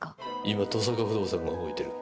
今、登坂不動産が動いてる。